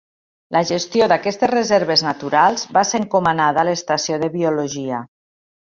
La gestió d'aquestes reserves naturals va ser encomanada a l'estació de biologia.